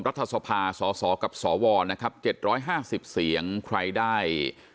รัฐสภาสสกับสวนะครับ๗๕๐เสียงใครได้